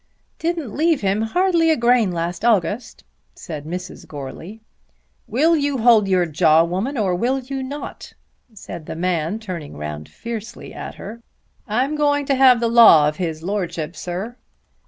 "Didn't leave him hardly a grain last August," said Mrs. Goarly. "Will you hold your jaw, woman, or will you not?" said the man, turning round fiercely at her. "I'm going to have the law of his Lordship, sir.